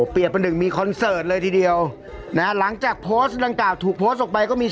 เปรียบแปนหนึ่งมีคอนเสิร์ตเลยทีเดียวนะหลังจากโพสต์ดังกล่าวก็ถูกโพสต์